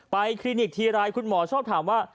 คลินิกทีไรคุณหมอชอบถามว่า